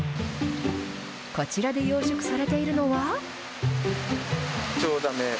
こちらで養殖されているのは。